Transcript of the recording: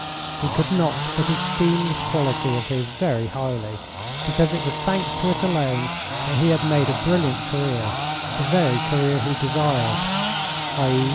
He could not but esteem this quality of his very highly, because it was thanks to it alone that he had made a brilliant career, the very career he desired, i.e.